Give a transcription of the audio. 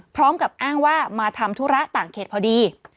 พร้อมกับอ้างว่ามาทำธุระต่างเขตพอดี